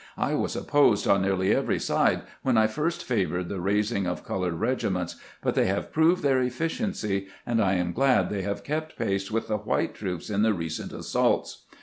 I was opposed on nearly every side when I first favored the raising of colored regiments ; but they have proved their efficiency, and I am glad they have kept pace with the white troops in the recent assaults.